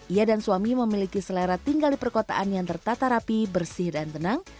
ia dan suami memiliki selera tinggal di perkotaan yang tertata rapi bersih dan tenang